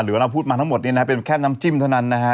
เราพูดมาทั้งหมดเนี่ยนะเป็นแค่น้ำจิ้มเท่านั้นนะฮะ